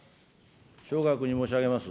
塩川君に申し上げます。